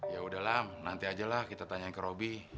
ya udahlah nanti aja lah kita tanyain ke robi